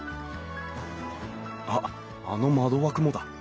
あっあの窓枠もだ。